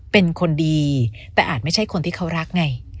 เป็นคนดีแต่อาจไม่ใช่คนที่เขารักไง